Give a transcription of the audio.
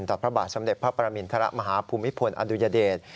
ต่อพระบาทสำเด็จพระประมินทะละมหาภูมิผลอันดุยเดช